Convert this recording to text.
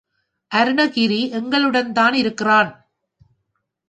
அருணகிரி எங்களுடன்தான் இருக்கிறான்.